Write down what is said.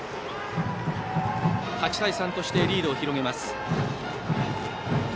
８対３としてリードを広げます。